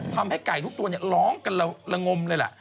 ทำให้ไก่ทุกตัวร้องกันละงมเลยล่ะ